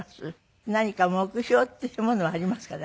何か目標っていうものはありますかね？